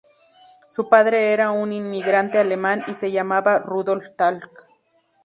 Su padre era un inmigrante alemán y se llamaba Rudolf Thal.